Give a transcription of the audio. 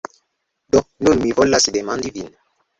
Do, nun mi volas demandi vin